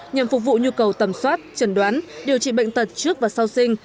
nhằm phục vụ nhu cầu tầm soát chẩn đoán điều trị bệnh tật trước và sau sinh